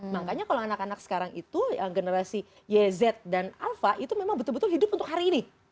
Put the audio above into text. makanya kalau anak anak sekarang itu yang generasi yz dan alpha itu memang betul betul hidup untuk hari ini